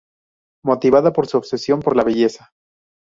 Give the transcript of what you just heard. Motivada por su obsesión por la belleza.